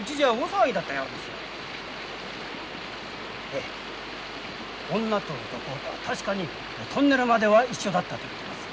ええ女と土工とは確かにトンネルまでは一緒だったと言ってます。